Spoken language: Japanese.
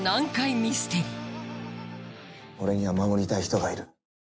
俺には守りたい人がいる。